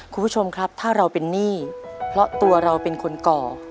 คุณผู้ชมครับถ้าเราเป็นหนี้เพราะตัวเราเป็นคนก่อ